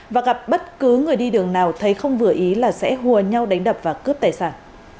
và gặp bất cứ người đi đường nào thấy không vừa ý là sẽ hùa nhau đánh đập và cướp tài sản